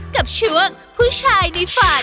กับช่วงผู้ชายในฝัน